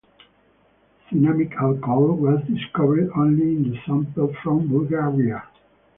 Cinnamic alcohol was discovered only in the sample from Bulgaria.